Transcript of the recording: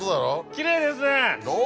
きれいですね！